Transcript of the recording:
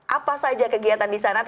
apa saja kegiatan diselenggaranya